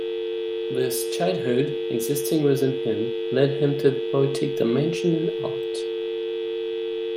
This 'childhood,' existing within him, led him to the poetic dimension in art.